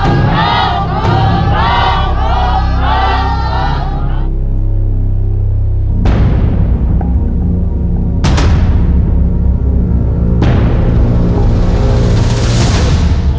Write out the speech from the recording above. ถูก